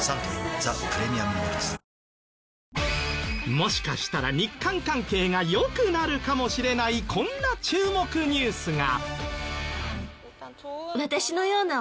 もしかしたら日韓関係が良くなるかもしれないこんな注目ニュースが。